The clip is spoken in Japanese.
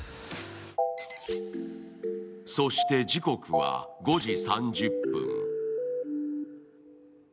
そして、時刻は５時３０分。